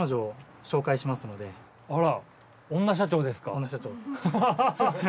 あら女社長ですか。